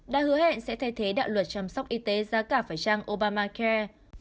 đã hứa hẹn sẽ thay thế đạo luật chăm sóc y tế ra cả phải trang obamacare